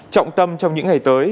trọng tâm trong những ngày tới